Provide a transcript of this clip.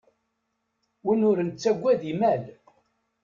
Win ur nettagad imal.